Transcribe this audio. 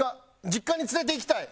実家に連れて行きたい。